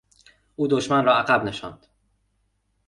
او دشمن را عقب نشاند.